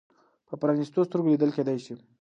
په پرانیستو سترګو لیدل کېدای شي.